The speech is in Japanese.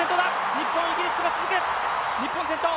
日本、イギリスと続く、日本先頭。